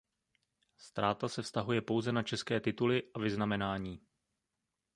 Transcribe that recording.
Ztráta se vztahuje pouze na české tituly a vyznamenání.